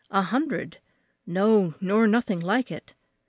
A hundred! no, nor nothing like it.